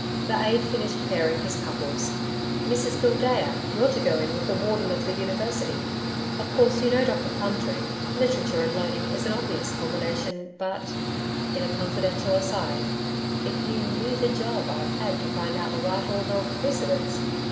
The AIDE finished pairing his couples. 'Mrs Gildea, you're to go in with the Warden of the University. Of course you know Dr Plumtree? Literature and learning is an obvious combination, but' (in a confidential aside) 'if you KNEW the job I've had to find out the right order of precedence.